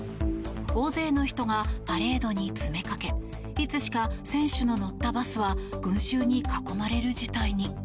大勢の人がパレードに詰めかけいつしか選手の乗ったバスは群衆に囲まれる事態に。